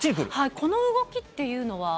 この動きというのは？